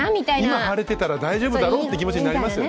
今晴れてたら大丈夫だろうって気持ちになりますよね。